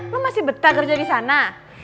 lo masih betah kerja disana